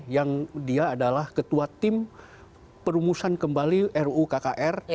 yang dia adalah ketua tim perumusan kembali rukkr